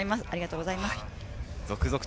ありがとうございます。